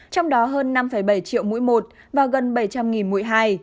trong đó hơn năm bảy triệu mũi một và gần bảy trăm linh mũi hai